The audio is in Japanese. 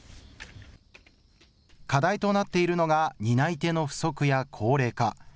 課題となっているのが、担い手の不足や高齢化。